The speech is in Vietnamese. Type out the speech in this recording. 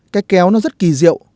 cái kéo nó rất kỳ diệu